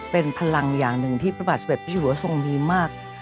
เป็นพลังอย่างหนึ่งที่พระบาทสมัยประชุมศูนย์มีมาก